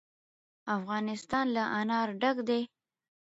افغانستان له انار ډک دی.